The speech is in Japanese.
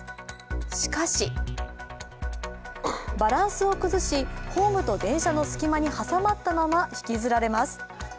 しかしバランスを崩し、ホームと電車の間にはさまったまま引きずられます。